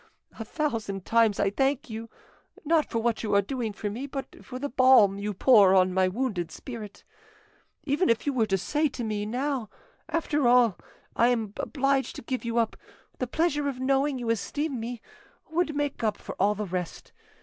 A thousand times I thank you, not for what you are doing for me, but for the balm you pour on my wounded spirit. Even if you were to say to me now, 'After all, I am obliged to give you up' the pleasure of knowing you esteem me would make up for all the rest.